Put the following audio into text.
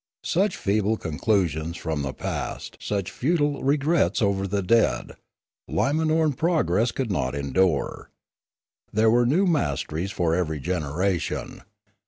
Such feeble conclusions from the past, such futile regrets over the dead, Limanoran progress could not endure. There were new masteries for every gen eration.